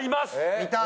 見たい！